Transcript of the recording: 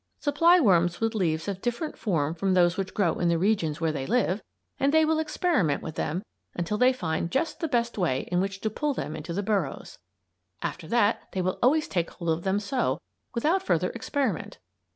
Supply worms with leaves of different form from those which grow in the region where they live, and they will experiment with them until they find just the best way in which to pull them into the burrows. After that they will always take hold of them so, without further experiment.